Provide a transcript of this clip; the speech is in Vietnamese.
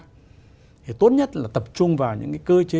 thì tốt nhất là tập trung vào những cái cơ chế